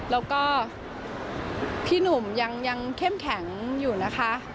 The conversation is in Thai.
แล้วก็พี่หนุ่มยังเข้มแข็งอยู่นะคะ